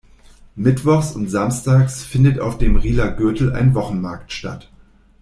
Mittwochs und samstags findet auf dem Riehler Gürtel ein Wochenmarkt statt.